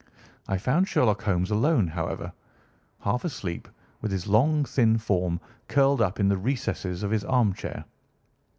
I found Sherlock Holmes alone, however, half asleep, with his long, thin form curled up in the recesses of his armchair.